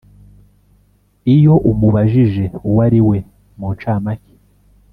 Iyo umubajije uwo ari we mu ncamake